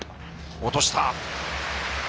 落とした。